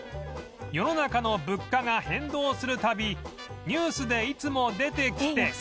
世の中の物価が変動する度ニュースでいつも出てきて